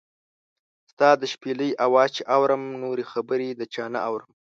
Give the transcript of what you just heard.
ستا د شپېلۍ اواز چې اورم، نورې خبرې د چا نۀ اورم